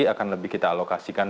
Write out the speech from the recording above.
akan lebih kita alokasikan